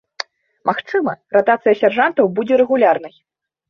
Магчыма, ратацыя сяржантаў будзе рэгулярнай.